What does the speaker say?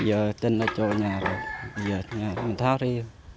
giờ tên nó chỗ nhà rồi giờ nhà mình tháo đi